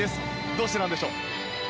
どうしてなんでしょう？